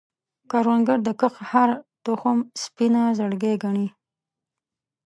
کروندګر د کښت هره تخم سپینه زړګی ګڼي